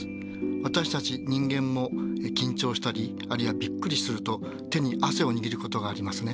私たち人間も緊張したりあるいはびっくりすると手に汗を握ることがありますね。